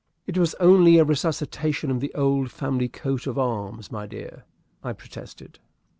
"It was only a resuscitation of the old family coat of arms, my dear," I protested.